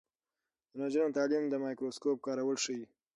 د نجونو تعلیم د مایکروسکوپ کارول ښيي.